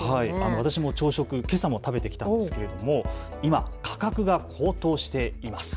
私も朝食、けさも食べてきたんですけれども今、価格が高騰しています。